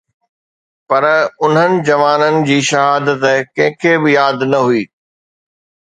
پر انهن جوانن جي شهادت ڪنهن کي به ياد نه هئي